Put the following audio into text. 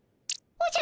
おおじゃ。